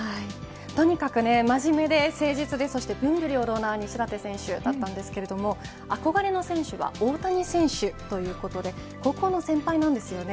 とにかく真面目で誠実でそして文武両道な西館選手だったんですけれど憧れの選手は大谷選手ということで高校の先輩なんですよね。